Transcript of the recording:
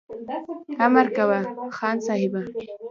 امر کوه خان صاحبه !